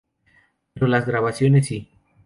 Pero las grabaciones si.